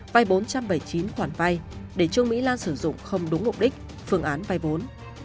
vai bốn trăm bảy mươi chín khoản vai để trương mỹ lan sử dụng không đúng mục đích phương án vai vốn